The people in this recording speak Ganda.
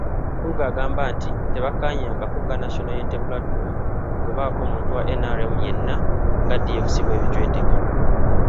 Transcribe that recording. Mpuuga agamba nti tebakkaanyangako nga National Unity Platform kubaako muntu wa NRM yenna nga DFC bw’ebijweteka.